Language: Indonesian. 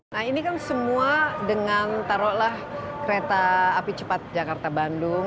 nah ini kan semua dengan taruhlah kereta api cepat jakarta bandung